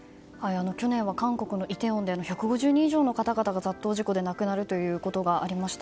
去年は、韓国のイテウォンで１５０人以上の方々が雑踏事故で亡くなることがありました。